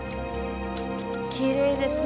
きれいですね。